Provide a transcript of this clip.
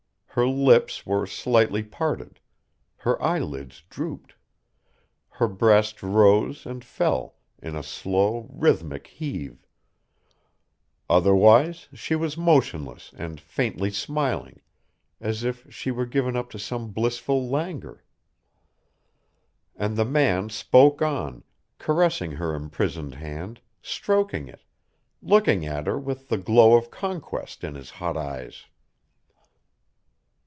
Her lips were slightly parted. Her eyelids drooped. Her breast rose and fell in a slow, rhythmic heave. Otherwise she was motionless and faintly smiling, as if she were given up to some blissful languor. And the man spoke on, caressing her imprisoned hand, stroking it, looking at her with the glow of conquest in his hot eyes.